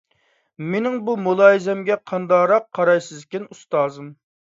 مېنىڭ بۇ مۇلاھىزەمگە قانداقراق قارايسىزكىن، ئۇستازىم؟